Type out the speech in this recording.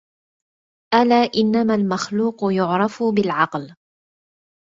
ألا إنما المخلوق يعرف بالعقل